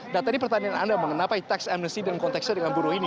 nah tadi pertanyaan anda mengenai tax amnesty dan konteksnya dengan buruh ini